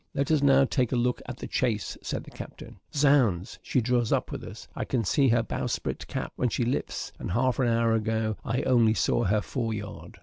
"Let us now take a look at the chase," said the captain; "zounds, she draws up with us. I can see her bowsprit cap when she lifts; and half an hour ago I only saw her foreyard.